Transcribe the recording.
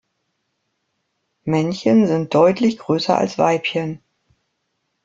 Männchen sind deutlich größer als Weibchen.